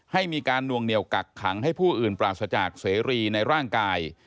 ให้มีการนวงเหนียวกักขังให้ผู้อื่นปราศจากเสรีในร่างกาย